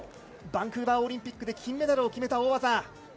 バンクーバーオリンピックで金メダルを決めた大技。